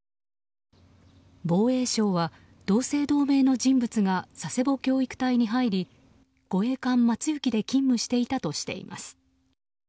防衛省は同姓同名の人物が佐世保教育隊に入り護衛艦「まつゆき」で勤務していたとしています。